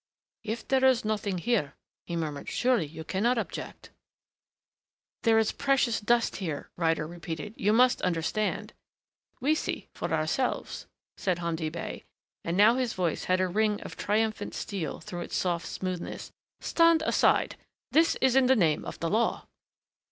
"If there is nothing here," he murmured, "surely you cannot object " "There is precious dust here," Ryder repeated. "You must understand " "We see for ourselves," said Hamdi Bey, and now his voice had a ring of triumphant steel through its soft smoothness. "Stand aside. This is in the name of the law."